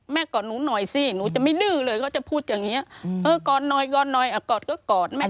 กอดหนูหน่อยสิหนูจะไม่ดื้อเลยเขาจะพูดอย่างนี้เออกอดหน่อยกอดหน่อยกอดก็กอดแม่